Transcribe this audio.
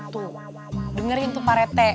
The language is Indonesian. tuh dengerin tuh pak rete